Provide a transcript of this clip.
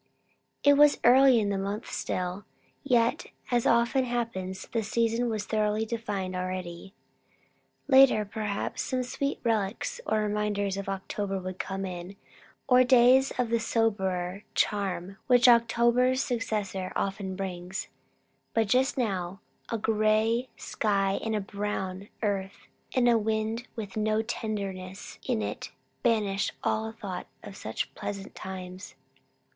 It was early in the month still; yet, as often happens, the season was thoroughly defined already. Later, perhaps, some sweet relics or reminders of October would come in, or days of the soberer charm which October's successor often brings; but just now, a grey sky and a brown earth and a wind with no tenderness in it banished all thought of such pleasant times.